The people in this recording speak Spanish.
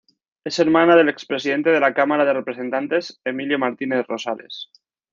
Es hermana del expresidente de la Cámara de Representantes Emilio Martínez Rosales.